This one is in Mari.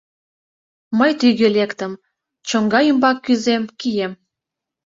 Мый тӱгӧ лектым, чоҥга ӱмбак кӱзем, кием.